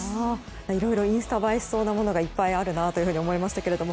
いろいろインスタ映えしそうなものがいっぱいあるなと思いましたけれども。